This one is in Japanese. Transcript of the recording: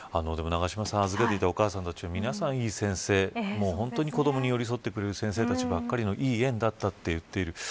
預けていたお母さん達皆さんがいい先生で子どもに寄り添ってくれる先生ばかりのいい園だったと言っている。